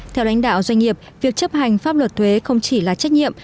theo đánh đạo doanh nghiệp việc chấp hành pháp luật thuế không chỉ là trách nhiệm